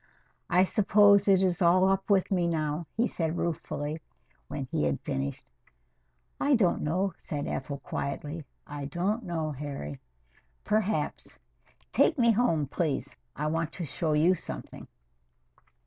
"I suppose it is all up with me now," he said ruefully, when he had finished. "I don't know," said Ethel quietly. "I don't know, Harry. Perhaps. Take me home, please. I want to show you something."